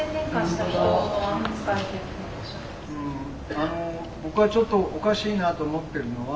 あの僕がちょっとおかしいなと思っているのは。